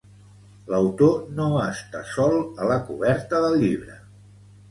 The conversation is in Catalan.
L'autor no està sol a la coberta del llibre.